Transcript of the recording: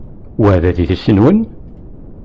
Wa d adlis-nwen?